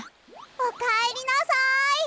おかえりなさい！